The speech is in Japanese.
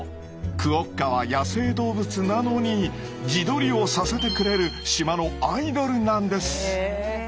クオッカは野生動物なのに自撮りをさせてくれる島のアイドルなんです！